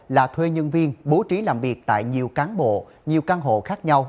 là thuê nhân viên bố trí làm việc tại nhiều cán bộ nhiều căn hộ khác nhau